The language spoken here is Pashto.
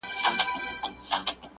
o يو وار نوک، بيا سوک٫